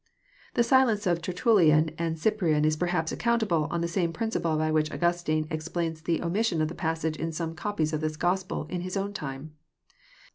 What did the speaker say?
— The silence of Tertulllan and Cyprian is perhaps acconntablc, on the same principles by which Augus tine explains the omission of the passage in some copies of this Gospel in bis own time.